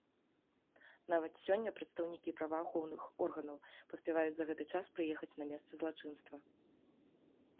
Нават сёння прадстаўнікі праваахоўных органаў паспяваюць за гэты час прыехаць на месца злачынства.